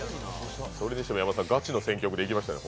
それにしても山田さん、ガチの選曲でいきましたね？